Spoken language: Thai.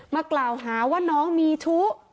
มากล่าวหาว่าน้องมีชู้